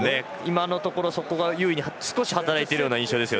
今のところ、そこが少し優位に働いている印象です。